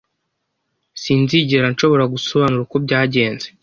Sinzigera nshobora gusobanura uko byagenze.